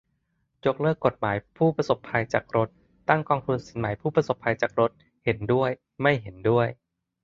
ยกเลิกกฎหมายผู้ประสบภัยจากรถ ตั้งกองทุนสินไหมผู้ประสบภัยจากรถ ? เห็นด้วย ไม่เห็นด้วย